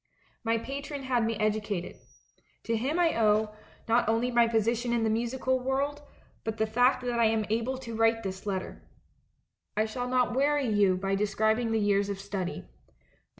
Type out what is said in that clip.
"My patron had me educated. To him I owe, not only my position in the musical world, but the fact that I am able to write this letter. I shall not weary you by describing the years of study.